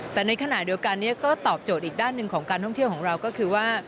แต่ในขณะเดียวกันก็ตอบโจทย์อีกด้านหนึ่งของการท่องเที่ยวของเราก็คือว่า